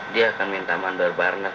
dia akan minta mandor barnet